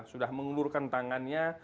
sudah mengelurkan tangannya